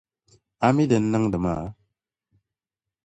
A mi din niŋdi maa?